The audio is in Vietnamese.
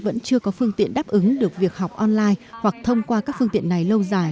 vẫn chưa có phương tiện đáp ứng được việc học online hoặc thông qua các phương tiện này lâu dài